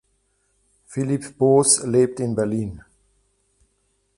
Philipp Boos lebt in Berlin.